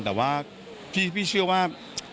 ที่พี่เชื่อว่า